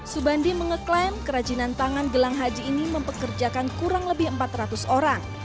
subandi mengeklaim kerajinan tangan gelang haji ini mempekerjakan kurang lebih empat ratus orang